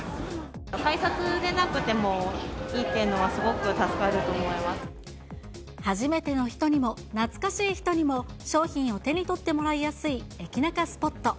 改札出なくてもいいっていう初めての人にも、懐かしい人にも、商品を手に取ってもらいやすい駅ナカスポット。